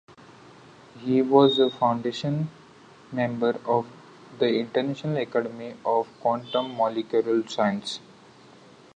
He was a foundation member of the International Academy of Quantum Molecular Science.